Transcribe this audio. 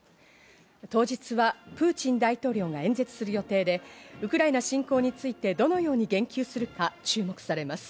当日はプーチン大統領も演説する予定で、ウクライナ侵攻についてどのように言及するか注目されます。